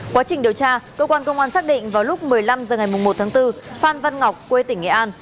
quá trình điều tra cơ quan công an xác định vào lúc một mươi năm h ngày một tháng bốn phan văn ngọc quê tỉnh nghệ an